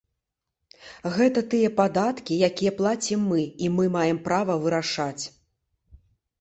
Гэта тыя падаткі, якія плацім мы і мы маем права вырашаць.